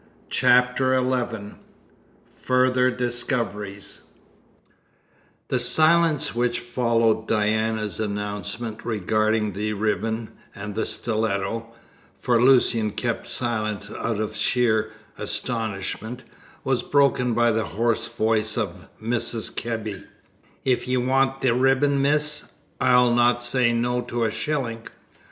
CHAPTER XI FURTHER DISCOVERIES The silence which followed Diana's announcement regarding the ribbon and stiletto for Lucian kept silence out of sheer astonishment was broken by the hoarse voice of Mrs. Kebby: "If ye want the ribbon, miss, I'll not say no to a shilling.